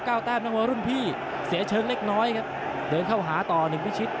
แต้มนักมวยรุ่นพี่เสียเชิงเล็กน้อยครับเดินเข้าหาต่อหนึ่งพิชิต